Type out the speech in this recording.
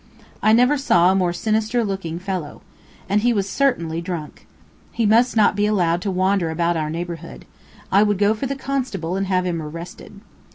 I never saw a more sinister looking fellow. And he was certainly drunk. He must not be allowed to wander about our neighborhood. I would go for the constable and have him arrested.